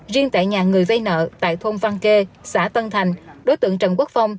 riêng tại nhà người vây nợ tại thôn văn kê xã tân thành đối tượng trần quốc phong